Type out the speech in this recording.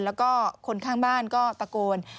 แล้วก็คนข้างบ้านก็ตะโกน